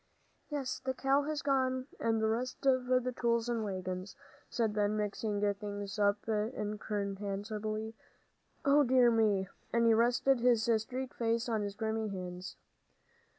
"Yes, the cow has gone with the rest of the tools and wagons," said Ben, mixing things up inextricably. "O dear me!" And he rested his streaked face on his grimy hands.